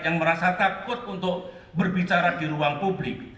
yang merasa takut untuk berbicara di ruang publik